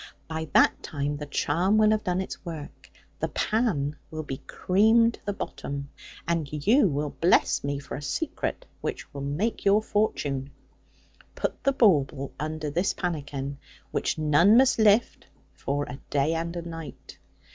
By that time the charm will have done its work: the pan will be cream to the bottom; and you will bless me for a secret which will make your fortune. Put the bauble under this pannikin; which none must lift for a day and a night.